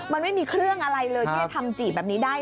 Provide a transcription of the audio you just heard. มันไม่มีเครื่องอะไรเลยที่จะทำจีบแบบนี้ได้